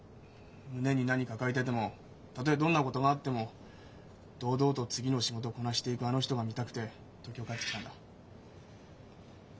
胸に何抱えててもたとえどんなことがあっても堂々と次の仕事こなしていくあの人が見たくて東京帰ってきたんだ。